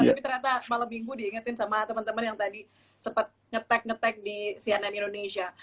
tapi ternyata malam minggu diingetin sama teman teman yang tadi sempat ngetek ngetek di cnn indonesia